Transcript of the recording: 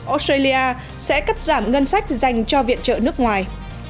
australia sẽ cắt giảm ngân sách dành cho viện trợ nước ngoài